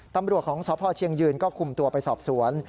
ตำรวจของสพเชียงยืนก็คุมตัวไปสอบสวน